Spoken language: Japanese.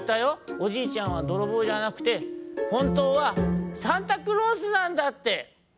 おじいちゃんはどろぼうじゃなくてほんとうはサンタクロースなんだって。